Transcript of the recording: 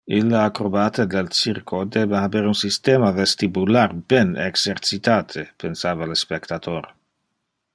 Ille acrobata del circo debe haber un systema vestibular ben exercitate, pensava le spectator.